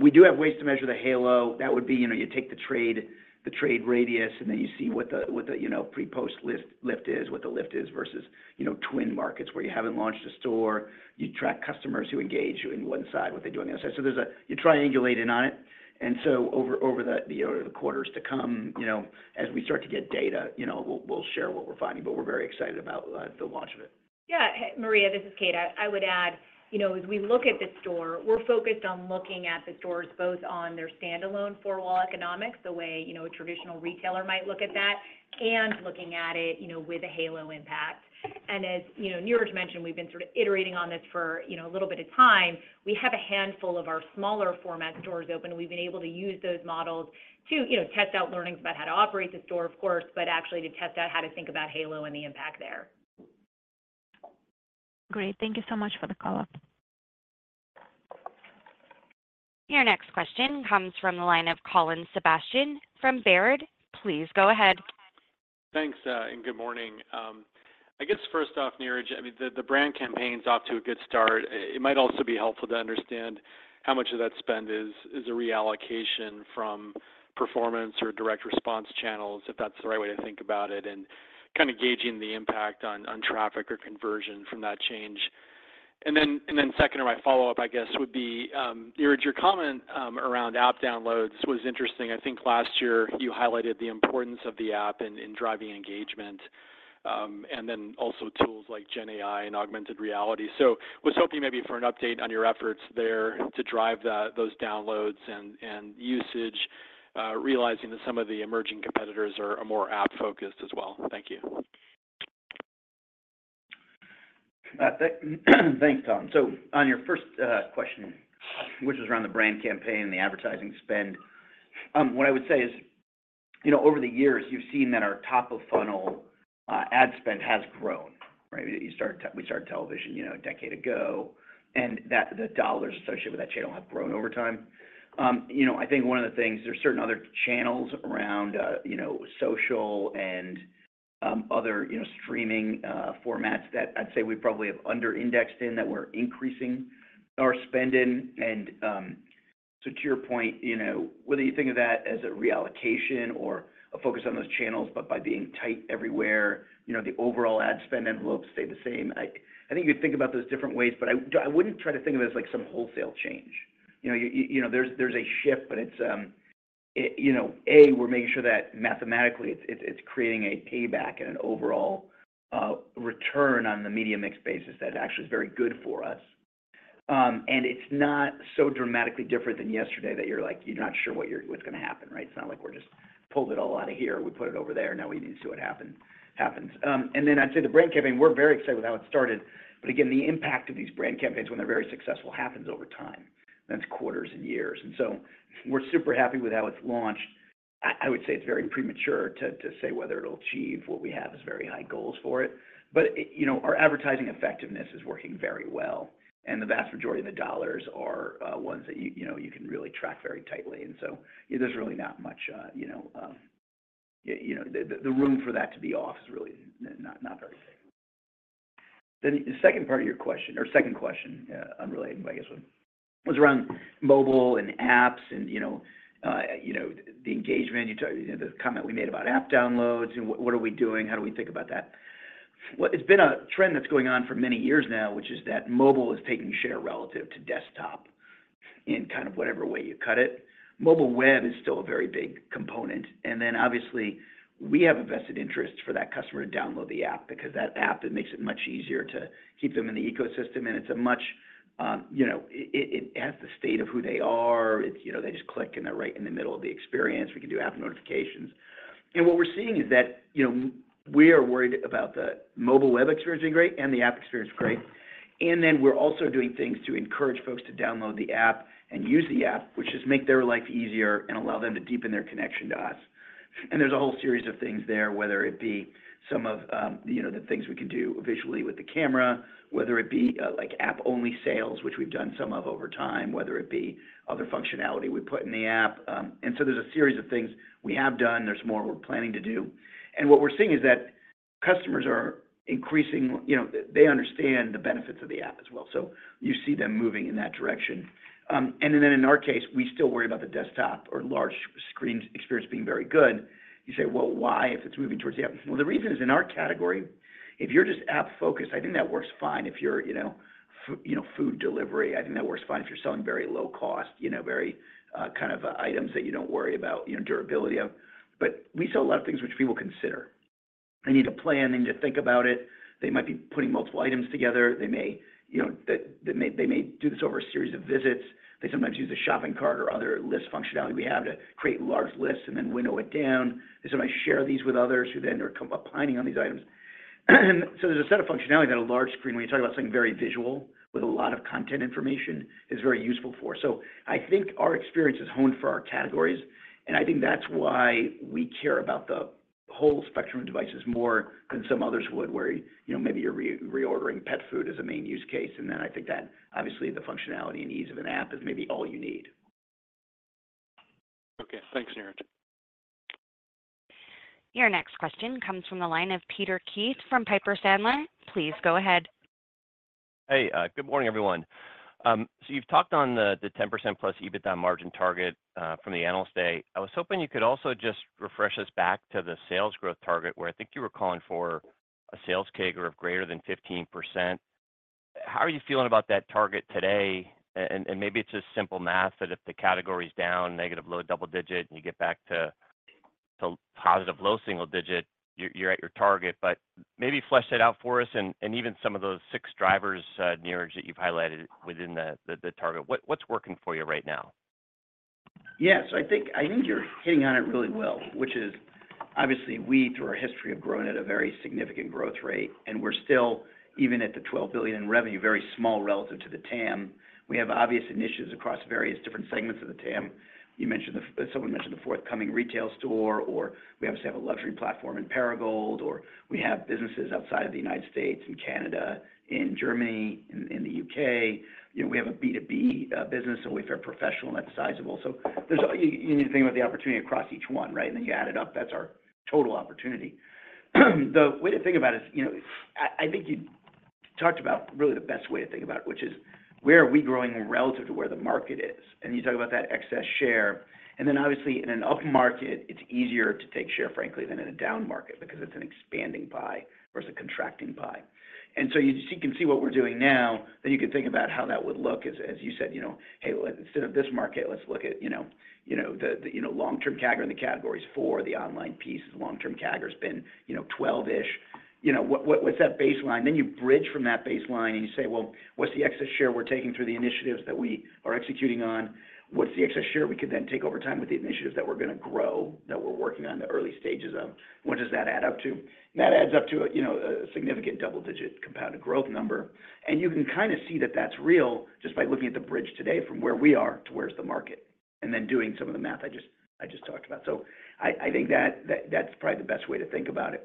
We do have ways to measure the halo. That would be, you know, you take the trade, the trade radius, and then you see what the, you know, pre-post lift is, what the lift is versus, you know, twin markets where you haven't launched a store. You track customers who engage you in one side, what they do on the other side. So there's a you triangulate in on it, and so over the quarters to come, you know, as we start to get data, you know, we'll share what we're finding, but we're very excited about the launch of it. Yeah, Maria, this is Kate. I would add, you know, as we look at the store, we're focused on looking at the stores, both on their standalone four-wall economics, the way, you know, a traditional retailer might look at that, and looking at it, you know, with a halo impact. And as you know, Niraj mentioned, we've been sort of iterating on this for, you know, a little bit of time. We have a handful of our smaller format stores open; we've been able to use those models to, you know, test out learnings about how to operate the store, of course, but actually to test out how to think about halo and the impact there. Great. Thank you so much for the call. Your next question comes from the line of Colin Sebastian from Baird. Please go ahead. Thanks, and good morning. I guess first off, Niraj, I mean, the brand campaign's off to a good start. It might also be helpful to understand how much of that spend is a reallocation from performance or direct response channels, if that's the right way to think about it, and kind of gauging the impact on traffic or conversion from that change. And then second, or my follow-up, I guess, would be, Niraj, your comment around app downloads was interesting. I think last year you highlighted the importance of the app in driving engagement, and then also tools like GenAI and augmented reality. So was hoping maybe for an update on your efforts there to drive those downloads and usage, realizing that some of the emerging competitors are more app-focused as well. Thank you. Thanks, Colin. So on your first question, which is around the brand campaign and the advertising spend, what I would say is, you know, over the years, you've seen that our top-of-funnel ad spend has grown, right? We started television a decade ago, and that the dollars associated with that channel have grown over time. You know, I think one of the things, there's certain other channels around, you know, social and other, you know, streaming formats that I'd say we probably have under indexed in, that we're increasing our spend in. So to your point, you know, whether you think of that as a reallocation or a focus on those channels, but by being tight everywhere, you know, the overall ad spend envelopes stay the same. I think you'd think about those different ways, but I wouldn't try to think of it as like some wholesale change. You know, you know, there's a shift, but it's you know, we're making sure that mathematically it's creating a payback and an overall return on the media mix basis that actually is very good for us. And it's not so dramatically different than yesterday that you're like, you're not sure what's gonna happen, right? It's not like we're just pulled it all out of here, we put it over there, now we need to see what happens. And then I'd say the brand campaign, we're very excited with how it started. But again, the impact of these brand campaigns, when they're very successful, happens over time. That's quarters and years. And so we're super happy with how it's launched. I would say it's very premature to say whether it'll achieve what we have as very high goals for it. But you know, our advertising effectiveness is working very well, and the vast majority of the dollars are ones that you know, you can really track very tightly. And so there's really not much you know, the room for that to be off is really not very big. Then the second part of your question, or second question, unrelated, I guess, was around mobile and apps and you know, the engagement. You know, the comment we made about app downloads and what are we doing? How do we think about that? Well, it's been a trend that's going on for many years now, which is that mobile is taking share relative to desktop in kind of whatever way you cut it. Mobile web is still a very big component, and then obviously, we have a vested interest for that customer to download the app, because that app, it makes it much easier to keep them in the ecosystem, and it's a much, you know, has the state of who they are. It's, you know, they just click, and they're right in the middle of the experience. We can do app notifications. And what we're seeing is that, you know, we are worried about the mobile web experience being great and the app experience great. And then we're also doing things to encourage folks to download the app and use the app, which just make their life easier and allow them to deepen their connection to us. And there's a whole series of things there, whether it be some of the you know, the things we can do visually with the camera, whether it be, like app-only sales, which we've done some of over time, whether it be other functionality we put in the app. And so there's a series of things we have done, there's more we're planning to do. And what we're seeing is that customers are increasing. You know, they understand the benefits of the app as well, so you see them moving in that direction. And then in our case, we still worry about the desktop or large screen experience being very good. You say, "Well, why, if it's moving towards the app?" Well, the reason is, in our category, if you're just app-focused, I think that works fine. If you're, you know, food delivery, I think that works fine. If you're selling very low cost, you know, very kind of items that you don't worry about, you know, durability of. But we sell a lot of things which people consider. They need to plan, they need to think about it. They might be putting multiple items together. They may, you know, they may do this over a series of visits. They sometimes use a shopping cart or other list functionality we have to create large lists and then winnow it down. They sometimes share these with others, who then come up planning on these items. So there's a set of functionality that a large screen, when you talk about something very visual, with a lot of content information, is very useful for. So I think our experience is honed for our categories, and I think that's why we care about the whole spectrum of devices more than some others would, where, you know, maybe you're reordering pet food as a main use case. And then I think that, obviously, the functionality and ease of an app is maybe all you need. Okay, thanks, Niraj. Your next question comes from the line of Peter Keith from Piper Sandler. Please go ahead. Hey, good morning, everyone. So you've talked on the 10%+ EBITDA margin target from the Analyst Day. I was hoping you could also just refresh us back to the sales growth target, where I think you were calling for a sales CAGR of greater than 15%. How are you feeling about that target today? And maybe it's just simple math, that if the category is down negative low double digit, and you get back to positive low single digit, you're at your target. But maybe flesh that out for us and even some of those six drivers, Niraj, that you've highlighted within the target. What's working for you right now? Yeah. So I think, I think you're hitting on it really well, which is, obviously, we, through our history, have grown at a very significant growth rate, and we're still, even at the $12 billion in revenue, very small relative to the TAM. We have obvious initiatives across various different segments of the TAM. You mentioned the-- someone mentioned the forthcoming retail store, or we obviously have a luxury platform in Perigold, or we have businesses outside of the United States, in Canada, in Germany, in, in the U.K. You know, we have a B2B business in Wayfair Professional, and that's sizable. So there's a-- you, you need to think about the opportunity across each one, right? And then you add it up, that's our total opportunity. The way to think about it is, you know, I think you talked about really the best way to think about it, which is: where are we growing relative to where the market is? And you talk about that excess share. And then obviously, in an upmarket, it's easier to take share, frankly, than in a downmarket because it's an expanding pie versus a contracting pie. And so you can see what we're doing now, then you can think about how that would look, as you said, you know, "Hey, well, instead of this market, let's look at, you know, the long-term CAGR in the categories for the online piece. The long-term CAGR has been, you know, 12-ish. You know, what's that baseline? Then you bridge from that baseline and you say: Well, what's the excess share we're taking through the initiatives that we are executing on? What's the excess share we could then take over time with the initiatives that we're gonna grow, that we're working on the early stages of, and what does that add up to? And that adds up to a, you know, a significant double-digit compounded growth number. And you can kinda see that that's real just by looking at the bridge today from where we are to where's the market, and then doing some of the math I just talked about. So I think that's probably the best way to think about it.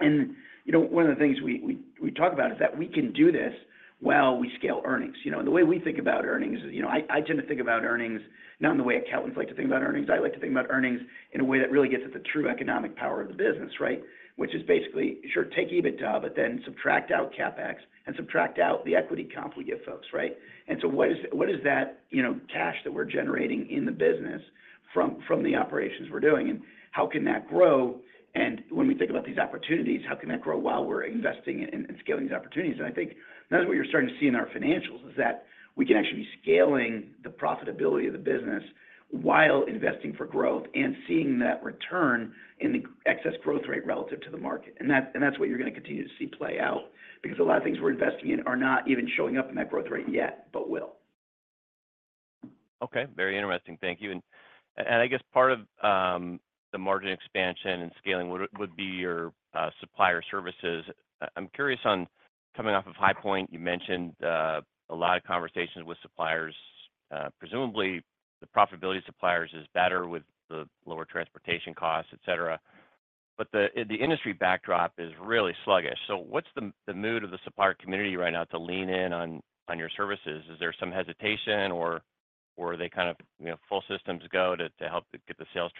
And, you know, one of the things we talk about is that we can do this while we scale earnings, you know? And the way we think about earnings is, you know, I tend to think about earnings, not in the way accountants like to think about earnings. I like to think about earnings in a way that really gets at the true economic power of the business, right? Which is basically, sure, take EBITDA, but then subtract out CapEx and subtract out the equity comp we give folks, right? And so what is that, you know, cash that we're generating in the business from the operations we're doing, and how can that grow? And when we think about these opportunities, how can that grow while we're investing and scaling these opportunities? I think that's what you're starting to see in our financials, is that we can actually be scaling the profitability of the business while investing for growth and seeing that return in the excess growth rate relative to the market. And that, and that's what you're gonna continue to see play out, because a lot of things we're investing in are not even showing up in that growth rate yet, but will. Okay, very interesting. Thank you. And I guess part of the margin expansion and scaling would be your supplier services. I'm curious on coming off of High Point, you mentioned a lot of conversations with suppliers. Presumably, the profitability of suppliers is better with the lower transportation costs, et cetera, but the industry backdrop is really sluggish. So what's the mood of the supplier community right now to lean in on your services? Is there some hesitation, or are they kind of, you know, full systems go to help get the sales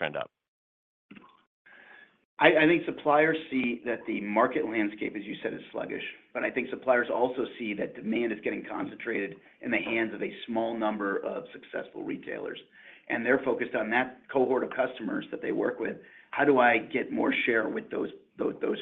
trend up? I think suppliers see that the market landscape, as you said, is sluggish. But I think suppliers also see that demand is getting concentrated in the hands of a small number of successful retailers, and they're focused on that cohort of customers that they work with. How do I get more share with those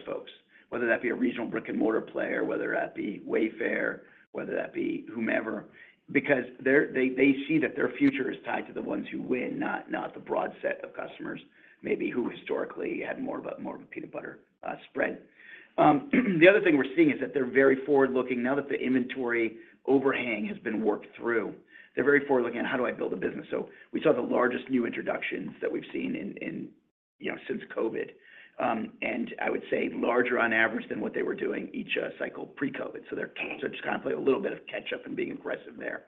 folks? Whether that be a regional brick-and-mortar player, whether that be Wayfair, whether that be whomever, because they see that their future is tied to the ones who win, not the broad set of customers, maybe who historically had more of a peanut butter spread. The other thing we're seeing is that they're very forward-looking. Now that the inventory overhang has been worked through, they're very forward-looking at: How do I build a business? So we saw the largest new introductions that we've seen, you know, since COVID. And I would say larger on average than what they were doing each cycle pre-COVID. So they're, so just kind of play a little bit of catch up and being aggressive there.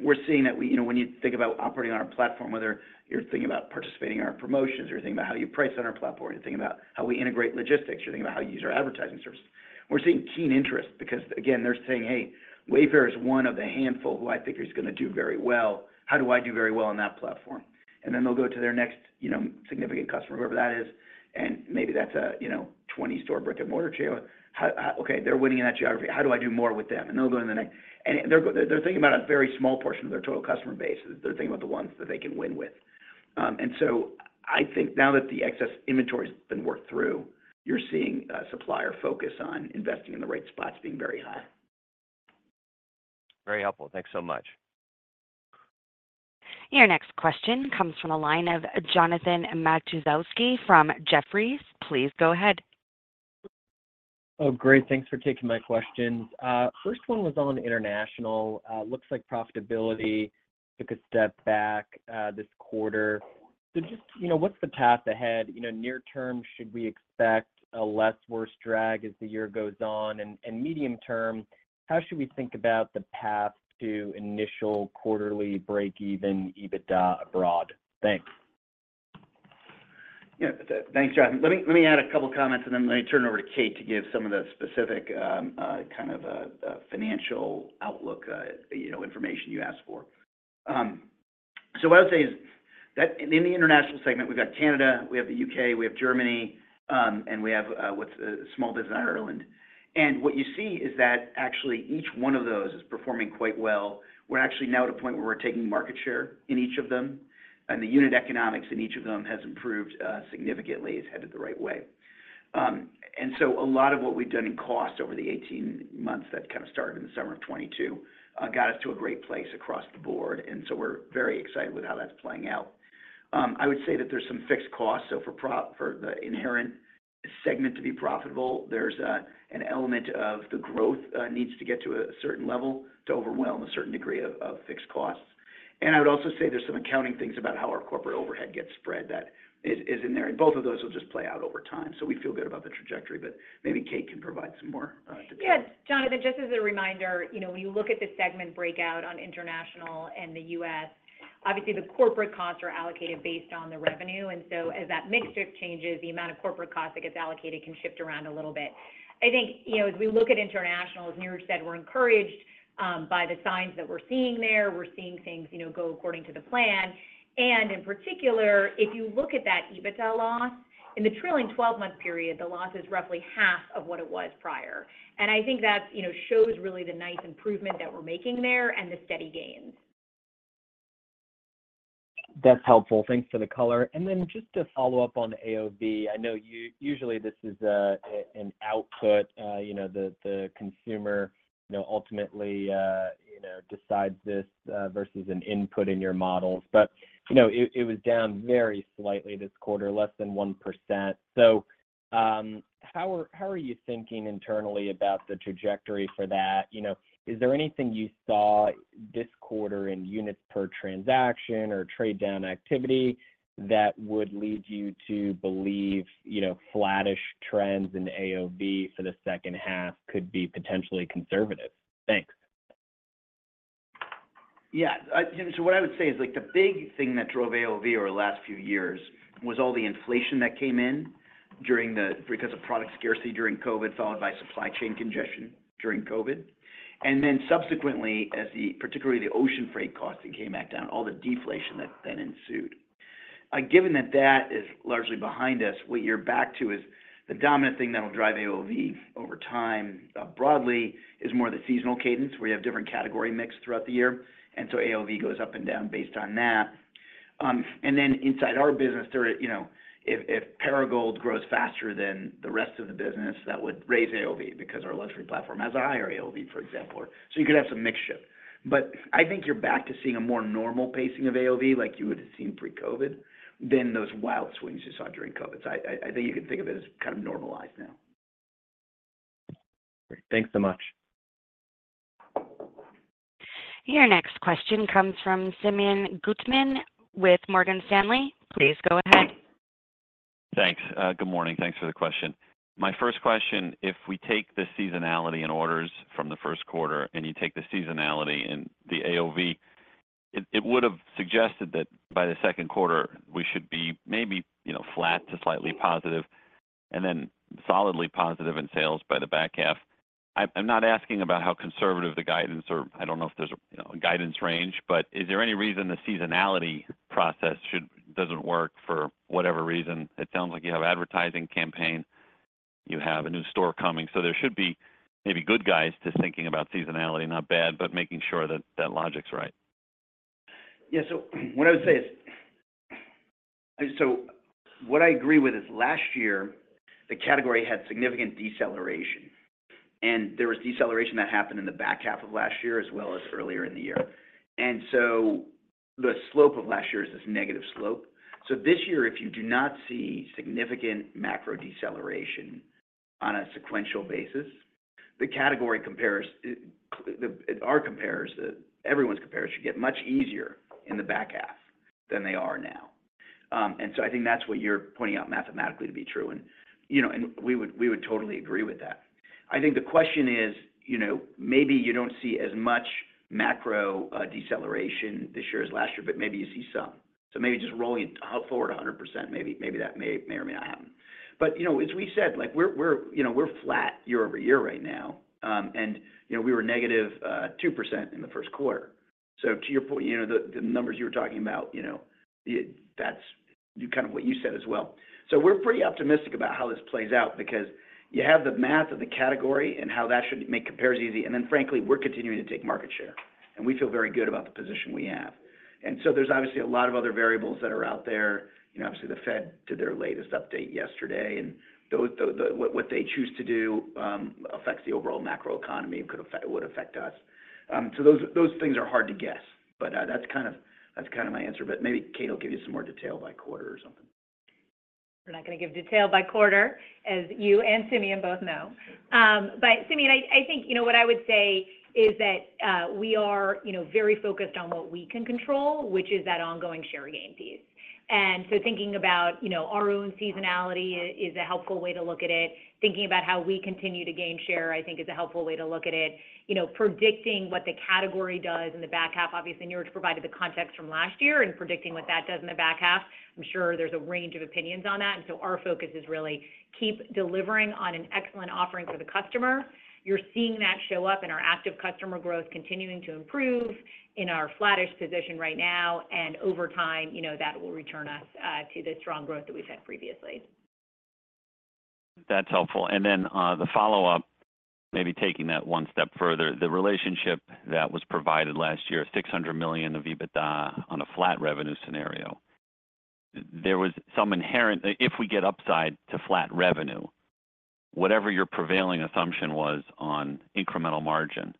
We're seeing you know, when you think about operating on our platform, whether you're thinking about participating in our promotions or you're thinking about how you price on our platform, you're thinking about how we integrate logistics, you're thinking about how you use our advertising services. We're seeing keen interest because, again, they're saying, "Hey, Wayfair is one of the handful who I think is gonna do very well. How do I do very well on that platform?" And then they'll go to their next, you know, significant customer, whoever that is, and maybe that's a, you know, 20-store brick-and-mortar chain. How... "Okay, they're winning in that geography. How do I do more with them?" And they'll go on the next. And they're thinking about a very small portion of their total customer base. They're thinking about the ones that they can win with. And so I think now that the excess inventory has been worked through, you're seeing supplier focus on investing in the right spots being very high. Very helpful. Thanks so much. Your next question comes from the line of Jonathan Matuszewski from Jefferies. Please go ahead. Oh, great. Thanks for taking my questions. First one was on international. Looks like profitability took a step back, this quarter. So just, you know, what's the path ahead? You know, near term, should we expect a less worse drag as the year goes on? And, medium term, how should we think about the path to initial quarterly break-even EBITDA abroad? Thanks. Yeah. Thanks, Jonathan. Let me, let me add a couple of comments, and then let me turn it over to Kate to give some of the specific, kind of, financial outlook, you know, information you asked for. So what I would say is that in the international segment, we've got Canada, we have the UK, we have Germany, and we have, what's a small business in Ireland. And what you see is that actually each one of those is performing quite well. We're actually now at a point where we're taking market share in each of them, and the unit economics in each of them has improved, significantly, is headed the right way. And so a lot of what we've done in cost over the 18 months that kind of started in the summer of 2022 got us to a great place across the board, and so we're very excited with how that's playing out. I would say that there's some fixed costs. So for the international segment to be profitable, there's an element of the growth needs to get to a certain level to overwhelm a certain degree of fixed costs. And I would also say there's some accounting things about how our corporate overhead gets spread that is in there, and both of those will just play out over time. So we feel good about the trajectory, but maybe Kate can provide some more detail. Yeah, Jonathan, just as a reminder, you know, when you look at the segment breakout on international and the US, obviously, the corporate costs are allocated based on the revenue. And so as that mixture changes, the amount of corporate cost that gets allocated can shift around a little bit. I think, you know, as we look at international, as Niraj said, we're encouraged by the signs that we're seeing there. We're seeing things, you know, go according to the plan. And in particular, if you look at that EBITDA loss, in the trailing 12-month period, the loss is roughly half of what it was prior. And I think that, you know, shows really the nice improvement that we're making there and the steady gains. That's helpful. Thanks for the color. And then just to follow up on AOV, I know usually this is an output, you know, the consumer, you know, ultimately decides this versus an input in your models. But, you know, it was down very slightly this quarter, less than 1%. So, how are you thinking internally about the trajectory for that? You know, is there anything you saw this quarter in units per transaction or trade-down activity that would lead you to believe, you know, flattish trends in AOV for the second half could be potentially conservative? Thanks. Yeah, so what I would say is, like, the big thing that drove AOV over the last few years was all the inflation that came in during the, because of product scarcity during COVID, followed by supply chain congestion during COVID. Then subsequently, as the, particularly the ocean freight costs that came back down, all the deflation that then ensued. Given that that is largely behind us, what you're back to is the dominant thing that will drive AOV over time, broadly, is more the seasonal cadence, where you have different category mix throughout the year, and so AOV goes up and down based on that. And then inside our business there, you know, if Perigold grows faster than the rest of the business, that would raise AOV because our luxury platform has a higher AOV, for example. So you could have some mix shift. But I think you're back to seeing a more normal pacing of AOV like you would have seen pre-COVID than those wild swings you saw during COVID. So I think you can think of it as kind of normalized now. Great. Thanks so much. Your next question comes from Simeon Gutman with Morgan Stanley. Please go ahead. Thanks. Good morning. Thanks for the question. My first question, if we take the seasonality in orders from the first quarter and you take the seasonality in the AOV, it, it would have suggested that by the second quarter, we should be maybe, you know, flat to slightly positive, and then solidly positive in sales by the back half. I'm, I'm not asking about how conservative the guidance or I don't know if there's a, you know, a guidance range, but is there any reason the seasonality process should-- doesn't work for whatever reason? It sounds like you have advertising campaign, you have a new store coming, so there should be maybe good guys just thinking about seasonality, not bad, but making sure that that logic's right. Yeah. So what I would say is... So what I agree with is last year, the category had significant deceleration, and there was deceleration that happened in the back half of last year as well as earlier in the year. And so the slope of last year is this negative slope. So this year, if you do not see significant macro deceleration on a sequential basis... the category compares, our compares, everyone's compares should get much easier in the back half than they are now. And so I think that's what you're pointing out mathematically to be true, and, you know, and we would, we would totally agree with that. I think the question is, you know, maybe you don't see as much macro deceleration this year as last year, but maybe you see some. So maybe just rolling it forward 100%, maybe, maybe that may or may not happen. But, you know, as we said, like, we're, you know, we're flat year-over-year right now. And, you know, we were negative 2% in the first quarter. So to your point, you know, the numbers you were talking about, you know, that's kind of what you said as well. So we're pretty optimistic about how this plays out because you have the math of the category and how that should make compares easy, and then frankly, we're continuing to take market share, and we feel very good about the position we have. And so there's obviously a lot of other variables that are out there. You know, obviously, the Fed did their latest update yesterday, and those, what they choose to do, affects the overall macroeconomy, could affect, would affect us. So those things are hard to guess, but, that's kind of, that's kind of my answer, but maybe Kate will give you some more detail by quarter or something. We're not gonna give detail by quarter, as you and Simeon both know. But Simeon, I think, you know, what I would say is that we are, you know, very focused on what we can control, which is that ongoing share gain piece. And so thinking about, you know, our own seasonality is a helpful way to look at it. Thinking about how we continue to gain share, I think, is a helpful way to look at it. You know, predicting what the category does in the back half, obviously, Niraj provided the context from last year, and predicting what that does in the back half, I'm sure there's a range of opinions on that. And so our focus is really keep delivering on an excellent offering for the customer. You're seeing that show up in our active customer growth, continuing to improve in our flattish position right now, and over time, you know, that will return us to the strong growth that we've had previously. That's helpful. And then, the follow-up, maybe taking that one step further, the relationship that was provided last year, $600 million of EBITDA on a flat revenue scenario, there was some inherent... If we get upside to flat revenue, whatever your prevailing assumption was on incremental margin,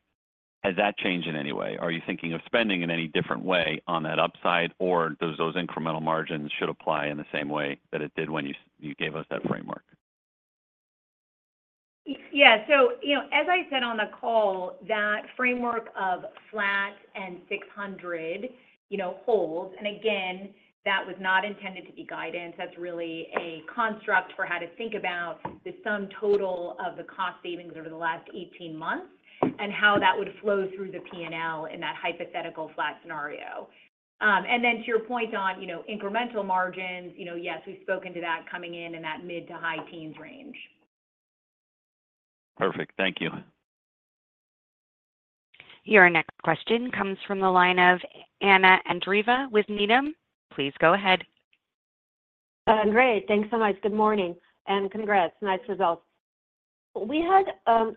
has that changed in any way? Are you thinking of spending in any different way on that upside, or those, those incremental margins should apply in the same way that it did when you, you gave us that framework? Yeah. So, you know, as I said on the call, that framework of flat and 600, you know, holds, and again, that was not intended to be guidance. That's really a construct for how to think about the sum total of the cost savings over the last 18 months and how that would flow through the P&L in that hypothetical flat scenario. And then to your point on, you know, incremental margins, you know, yes, we've spoken to that coming in in that mid- to high-teens range. Perfect. Thank you. Your next question comes from the line of Anna Andreeva with Needham. Please go ahead. Great. Thanks so much. Good morning, and congrats. Nice results. We had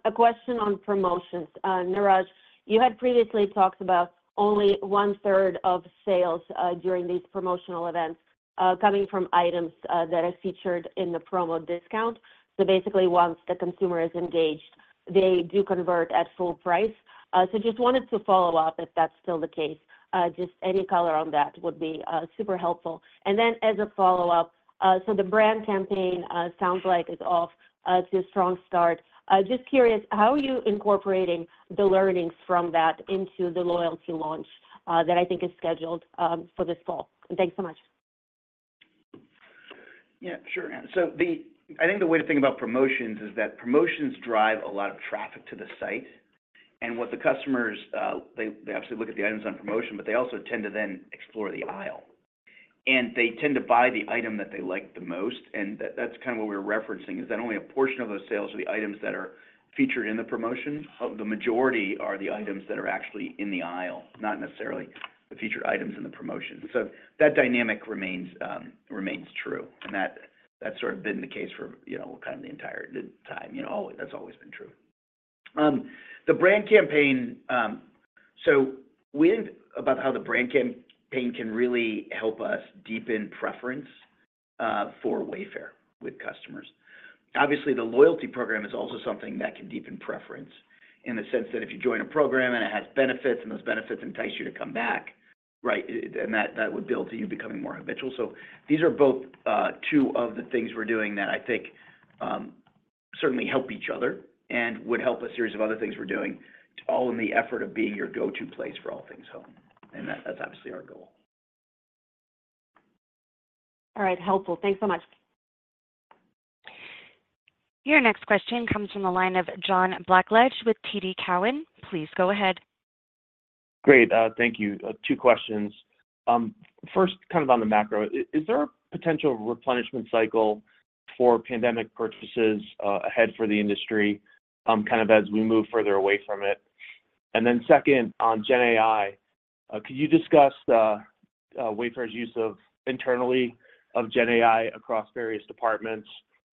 a question on promotions. Niraj, you had previously talked about only one-third of sales during these promotional events coming from items that are featured in the promo discount. So basically, once the consumer is engaged, they do convert at full price. So just wanted to follow up if that's still the case. Just any color on that would be super helpful. And then as a follow-up, so the brand campaign sounds like it's off to a strong start. Just curious, how are you incorporating the learnings from that into the loyalty launch that I think is scheduled for this fall? Thanks so much. Yeah, sure, Anna. So, I think the way to think about promotions is that promotions drive a lot of traffic to the site, and what the customers, they obviously look at the items on promotion, but they also tend to then explore the aisle, and they tend to buy the item that they like the most. And that's kind of what we're referencing, is that only a portion of those sales are the items that are featured in the promotion. The majority are the items that are actually in the aisle, not necessarily the featured items in the promotion. So that dynamic remains, remains true, and that's sort of been the case for, you know, kind of the entire time. You know, that's always been true. The brand campaign, so we think about how the brand campaign can really help us deepen preference for Wayfair with customers. Obviously, the loyalty program is also something that can deepen preference in the sense that if you join a program, and it has benefits, and those benefits entice you to come back, right? And that, that would build to you becoming more habitual. So these are both, two of the things we're doing that I think, certainly help each other and would help a series of other things we're doing, all in the effort of being your go-to place for all things home. And that, that's obviously our goal. All right. Helpful. Thanks so much. Your next question comes from the line of John Blackledge with TD Cowen. Please go ahead. Great. Thank you. Two questions. First, kind of on the macro, is there a potential replenishment cycle for pandemic purchases ahead for the industry, kind of as we move further away from it? And then second, on GenAI, could you discuss the Wayfair's use of internally of GenAI across various departments?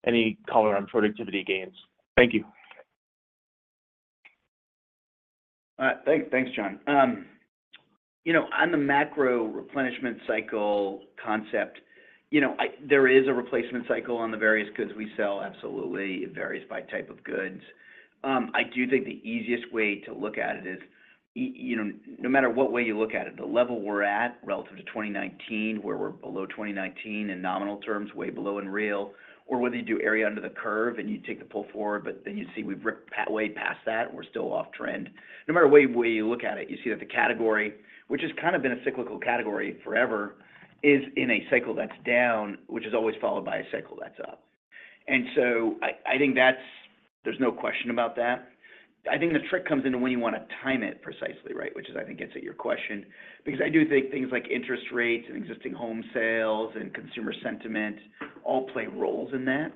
Any color on productivity gains? Thank you. Thanks, John. You know, on the macro replenishment cycle concept, you know, there is a replacement cycle on the various goods we sell, absolutely. It varies by type of goods. I do think the easiest way to look at it is, you know, no matter what way you look at it, the level we're at relative to 2019, where we're below 2019 in nominal terms, way below in real, or whether you do area under the curve and you take the pull forward, but then you see we've ripped way past that, and we're still off trend. No matter what way you look at it, you see that the category, which has kind of been a cyclical category forever, is in a cycle that's down, which is always followed by a cycle that's up. And so I think there's no question about that. I think the trick comes into when you wanna time it precisely right, which is, I think, gets at your question. Because I do think things like interest rates and existing home sales and consumer sentiment all play roles in that.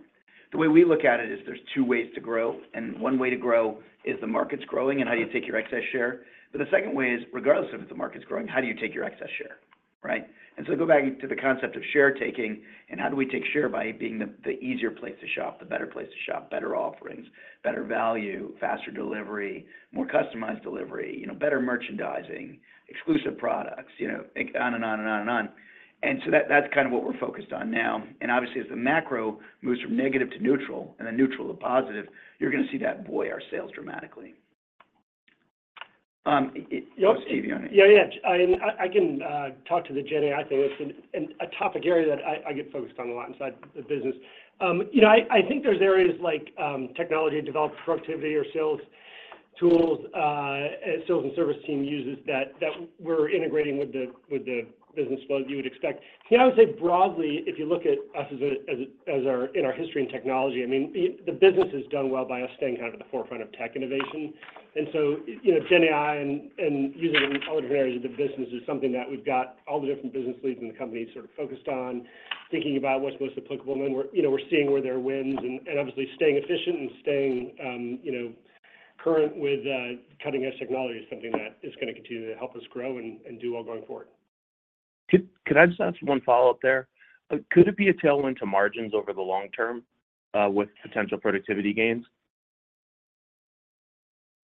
The way we look at it is there's two ways to grow, and one way to grow is the market's growing and how you take your excess share. But the second way is, regardless of if the market's growing, how do you take your excess share, right? And so go back to the concept of share taking, and how do we take share by being the easier place to shop, the better place to shop, better offerings, better value, faster delivery, more customized delivery, you know, better merchandising, exclusive products, you know, on and on and on and on. And so that, that's kind of what we're focused on now. And obviously, as the macro moves from negative to neutral and then neutral to positive, you're gonna see that buoy our sales dramatically. Steve, you wanna- Yeah, yeah. I can talk to the GenAI thing. It's a topic area that I get focused on a lot inside the business. You know, I think there's areas like technology to develop productivity or sales tools, as sales and service team uses that that we're integrating with the business flow you would expect. You know, I would say broadly, if you look at us as our in our history and technology, I mean, the business has done well by us staying kind of at the forefront of tech innovation. And so, you know, GenAI and using it in other areas of the business is something that we've got all the different business leads in the company sort of focused on, thinking about what's most applicable. And then we're, you know, we're seeing where there are wins and, and obviously staying efficient and staying, you know, current with cutting-edge technology is something that is gonna continue to help us grow and, and do well going forward. Could I just ask one follow-up there? Could it be a tailwind to margins over the long term, with potential productivity gains?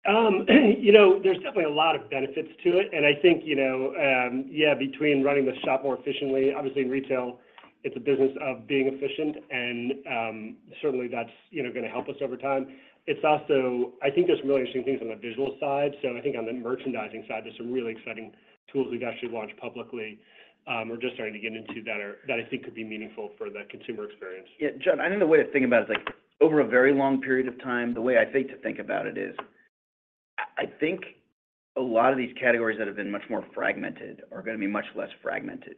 You know, there's definitely a lot of benefits to it, and I think, you know, yeah, between running the shop more efficiently... Obviously, in retail, it's a business of being efficient, and, certainly, that's, you know, gonna help us over time. It's also, I think there's some really interesting things on the visual side. So I think on the merchandising side, there's some really exciting tools we've actually launched publicly, we're just starting to get into that that I think could be meaningful for the consumer experience. Yeah, John, I think the way to think about it is, like, over a very long period of time, the way I think about it is, I think a lot of these categories that have been much more fragmented are gonna be much less fragmented,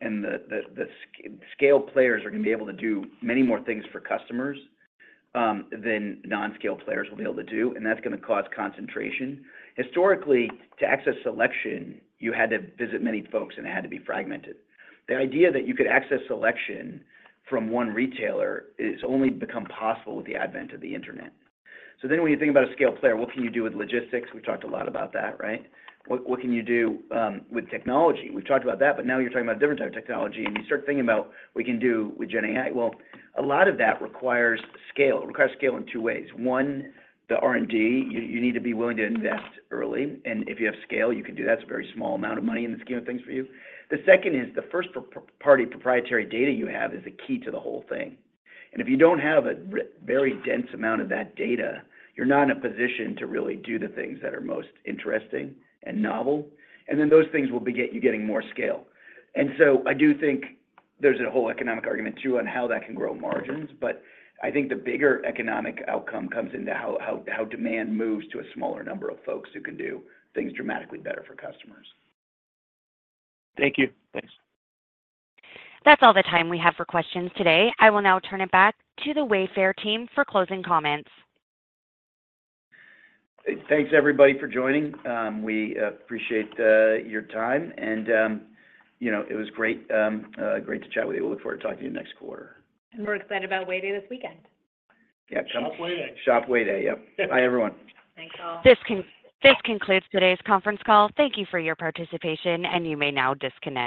and the scale players are gonna be able to do many more things for customers than non-scale players will be able to do, and that's gonna cause concentration. Historically, to access selection, you had to visit many folks, and it had to be fragmented. The idea that you could access selection from one retailer has only become possible with the advent of the internet. So then when you think about a scale player, what can you do with logistics? We've talked a lot about that, right? What can you do with technology? We've talked about that, but now you're talking about a different type of technology, and you start thinking about we can do with GenAI. Well, a lot of that requires scale. It requires scale in two ways. One, the R&D, you need to be willing to invest early, and if you have scale, you can do that. It's a very small amount of money in the scheme of things for you. The second is the first-party proprietary data you have is the key to the whole thing, and if you don't have a very dense amount of that data, you're not in a position to really do the things that are most interesting and novel, and then those things will beget you getting more scale. And so I do think there's a whole economic argument, too, on how that can grow margins, but I think the bigger economic outcome comes into how demand moves to a smaller number of folks who can do things dramatically better for customers. Thank you. Thanks. That's all the time we have for questions today. I will now turn it back to the Wayfair team for closing comments. Thanks, everybody, for joining. We appreciate your time and, you know, it was great to chat with you. We look forward to talking to you next quarter. We're excited about Way Day this weekend. Yeah, come- Shop Way Day. Shop Way Day, yep. Bye, everyone. Thanks, all. This concludes today's conference call. Thank you for your participation, and you may now disconnect.